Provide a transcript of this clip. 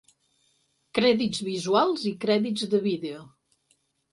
Crèdits visuals i crèdits de vídeo.